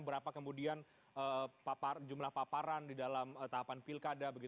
berapa kemudian jumlah paparan di dalam tahapan pilkada